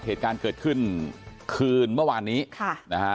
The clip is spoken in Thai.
เหตุการณ์เกิดขึ้นคืนเมื่อวานนี้ค่ะนะฮะ